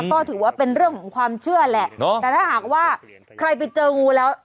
ก็ถือว่าเป็นเรื่องของความเชื่อแหละแต่ถ้าหากว่าใครไปเจองูแล้ว